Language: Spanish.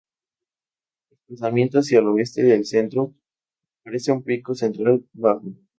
Desplazamiento hacia el oeste del centro aparece un pico central bajo.